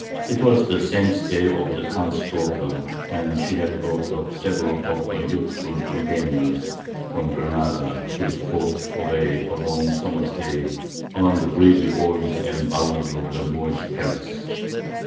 It was the saint's day of the Count's daughter, and she had brought up several of her youthful companions from Granada to sport away a long summer's day among the breezy halls and bowers of the Moorish palace.